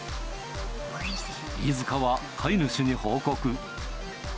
飯塚は飼い主に報告。